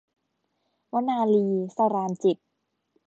วนาลี - สราญจิตต์